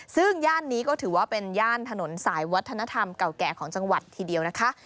ซึ่งย่านนี้ก็ถือว่าเป็นย่านถนนสายวัฒนธรรมเก่าแก่ของจังหวัดทีเดียวนะคะ